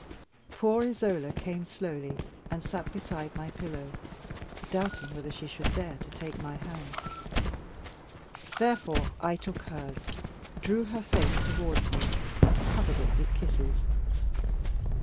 Poor Isola came slowly and sat beside my pillow, doubting whether she should dare to take my hand. Therefore I took hers, drew her face towards me, and covered it with kisses.